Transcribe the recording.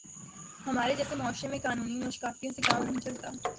ہمارے جیسے معاشرے میں قانونی موشگافیوں سے کام نہیں چلتا۔